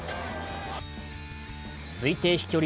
推定飛距離